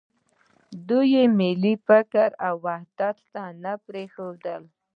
دوی ملي فکر او وحدت ته نه پرېږدي.